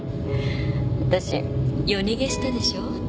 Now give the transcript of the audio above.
私夜逃げしたでしょ？